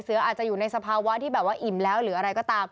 อาจจะอยู่ในสภาวะที่แบบว่าอิ่มแล้วหรืออะไรก็ตาม